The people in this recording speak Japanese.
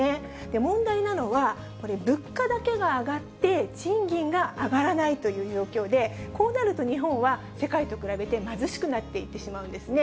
問題なのは、これ、物価だけが上がって、賃金が上がらないという状況で、こうなると、日本は世界と比べて貧しくなっていってしまうんですね。